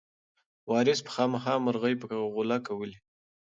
وارث به خامخا مرغۍ په غولکه ولي.